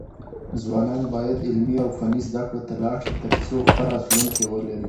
ځوانان بايد علمي او فني زده کړو ته لاړ شي، ترڅو ښه راتلونکی ولري.